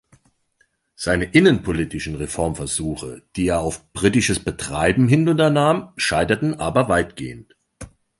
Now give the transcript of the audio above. Seine innenpolitischen Reformversuche, die er auf britisches Betreiben hin unternahm, scheiterten aber weitgehend.